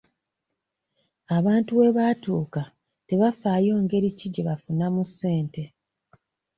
Abantu we baatuuka tebafaayo ngeri ki gye bafunamu ssente.